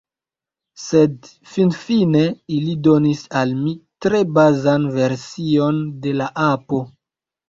Sed finfine ili donis al mi tre bazan version de la apo.